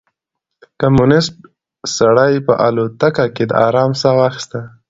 کمونيسټ سړي په الوتکه کې د ارام ساه واخيسته.